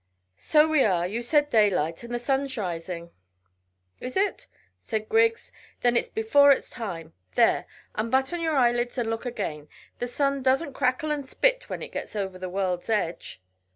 "So we are. You said daylight, and the sun's rising." "Is it?" said Griggs. "Then it's before its time. There, unbutton your eyelids and look again. The sun doesn't crackle and spit when it gets over the world's edge."